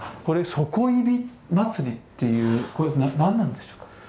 これ「ソコイビまつり」っていうこれ何なんでしょうか？